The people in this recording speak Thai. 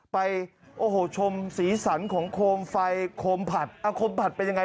ไปโอ้โหชมสีสันของโคมไฟโคมผัดอาโคมผัดเป็นยังไง